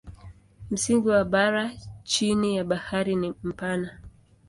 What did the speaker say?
Msingi wa bara chini ya bahari ni mpana.